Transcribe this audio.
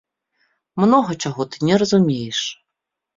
Многа чаго ты не разумееш!